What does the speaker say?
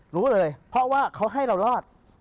รู้เลยเพราะว่าเขาให้เรารอด